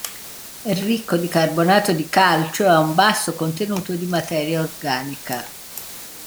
È ricco di carbonato di calcio e ha un basso contenuto di materia organica.